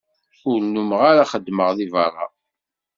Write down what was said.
Ur nnumeɣ ara xeddmeɣ deg berra.